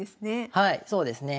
はいそうですね。